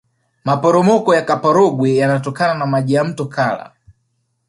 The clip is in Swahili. maporomoko ya kaporogwe yanatokana na maji ya mto kala